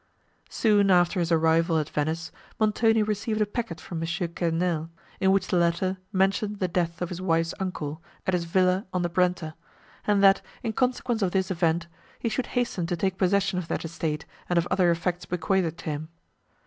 Soon after his arrival at Venice, Montoni received a packet from M. Quesnel, in which the latter mentioned the death of his wife's uncle, at his villa on the Brenta; and that, in consequence of this event, he should hasten to take possession of that estate and of other effects bequeathed to him.